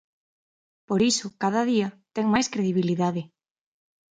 Por iso, cada día, ten máis credibilidade.